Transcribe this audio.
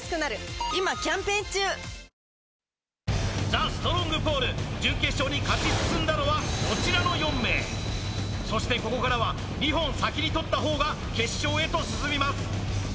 ザ・ストロングポール準決勝に勝ち進んだのはこちらの４名そしてここからは２本先に取った方が決勝へと進みます